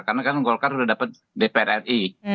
karena kan golkar sudah dapat dpr ri